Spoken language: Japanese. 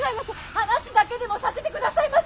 話だけでもさせてくださいまし。